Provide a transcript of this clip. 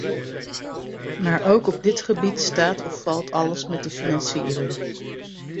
Maar ook op dit gebied staat of valt alles met de financiering.